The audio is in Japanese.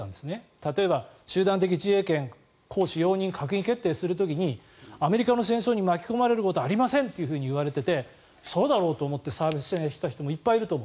例えば、集団的自衛権行使、容認閣議決定をする時にアメリカの戦争に巻き込まれることはありませんといわれていてそうだろうと思って支援した人もいっぱいいると思う。